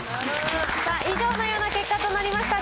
以上のような結果となりました、